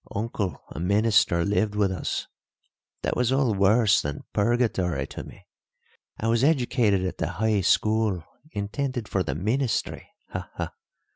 Uncle, a minister, lived with us. That was all worse than purgatory to me. I was educated at the High School intended for the ministry, ha, ha!